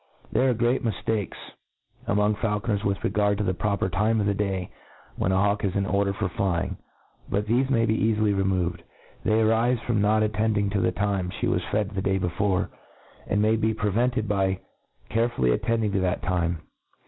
THERE are great miftakes among faulconers •with regard to the proper time of the day when a hawk is in order for flying ; but thefe may be cafily removed. They arife from not attending to the time flie was fed the day before, and may be prevented by carefully attending to that (ipe.